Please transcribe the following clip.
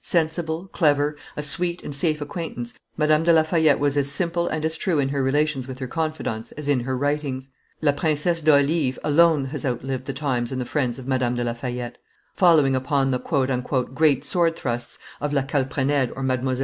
Sensible, clever, a sweet and safe acquaintance, Madame de La Fayette was as simple and as true in her relations with her confidantes as in her writings. La Princesse de Olives alone has outlived the times and the friends of Madame de La Fayette. Following upon the "great sword thrusts" of La Calprenede or Mdlle.